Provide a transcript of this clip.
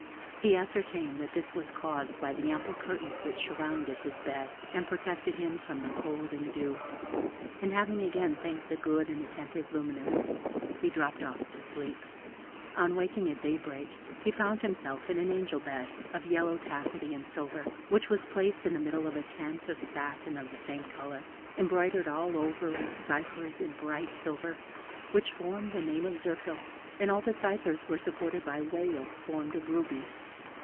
He ascertained that this was caused by the ample curtains which surrounded his bed, and protected him from the cold and dew, and having again thanked the good and attentive Lumineuse, he dropped off to sleep. On waking at daybreak, he found himself in an angel bed, of yellow taffety and silver, which was placed in the middle of a tent of satin of the same colour, embroidered all over with ciphers in bright silver, which formed the name of Zirphil, and all the ciphers were supported by whales formed of rubies.